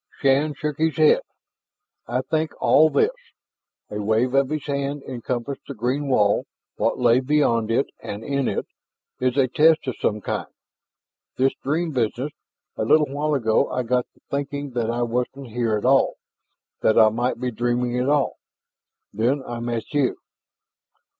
Shann shook his head. "I think all this" a wave of his hand encompassed the green wall, what lay beyond it, and in it "is a test of some kind. This dream business.... A little while ago I got to thinking that I wasn't here at all, that I might be dreaming it all. Then I met you."